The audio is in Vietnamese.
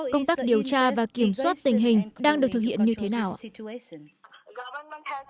công tác điều tra và kiểm soát tình hình đang được thực hiện như thế nào ạ